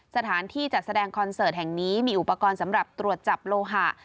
สถานที่จัดแสดงคอนเสิร์ตแห่งนี้มีอุปกรณ์สำหรับตรวจจับโลหะ